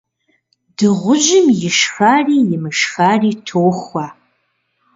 Дыгъужьым ишхари имышхари тохуэ.